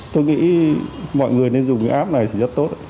tôi nghĩ mọi người nên dùng cái app này thì rất tốt